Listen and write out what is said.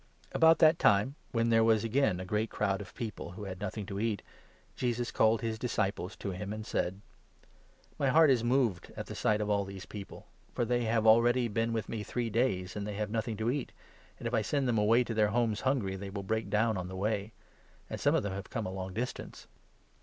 About that time, when there was again a great i Jesus feeds crowd of people who had nothing to eat, Jesus •Tour thousand. ,.,.. r r. . t> »•> called his disciples to him, and said :" My heart is moved at the sight of all these people, for they 2 have already been with me three days and they have nothing to eat ; and if I send them away to their homes hungry, they 3 will break down on the way ; and some of them have come a long distance."